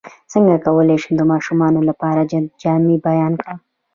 څنګه کولی شم د ماشومانو لپاره د جنت جامې بیان کړم